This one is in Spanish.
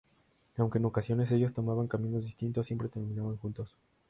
Aunque en ocasiones ellos tomaban caminos distintos, siempre terminaban juntos.